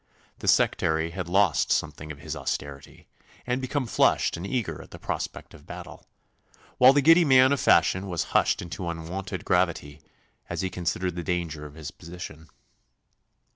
The sectary had lost something of his austerity and become flushed and eager at the prospect of battle, while the giddy man of fashion was hushed into unwonted gravity as he considered the danger of his position.